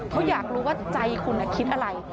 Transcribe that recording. เขาอยากรู้ว่าใจคุณคิดอะไร